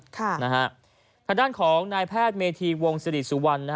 ทางด้านของนายแพทย์เมธีวงศิริสุวรรณ